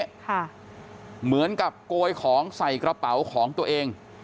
ค่ะเหมือนกับโกยของใส่กระเป๋าของตัวเอง